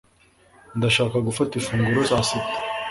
ndashaka gufata ifunguro saa sita